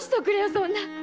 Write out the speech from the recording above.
そんな！